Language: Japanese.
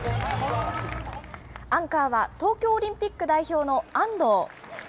アンカーは東京オリンピック代表の安藤。